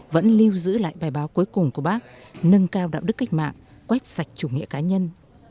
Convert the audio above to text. vẫn lưu giữ lại bài báo cuối cùng của bác nâng cao đạo đức cách mạng quét sạch chủ nghĩa cá nhân